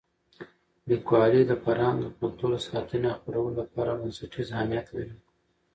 لیکوالی د فرهنګ او کلتور د ساتنې او خپرولو لپاره بنسټیز اهمیت لري.